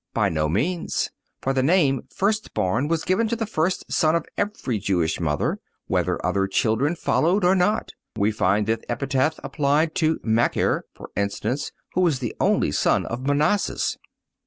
By no means; for the name of first born was given to the first son of every Jewish mother, whether other children followed or not. We find this epithet applied to Machir, for instance, who was the only son of Manasses.